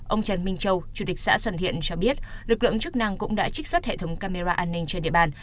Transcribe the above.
ông trần minh châu chủ tịch xã xuân thiện cho biết lực lượng chức năng cũng đã trích xuất hệ thống camera an ninh trên địa bàn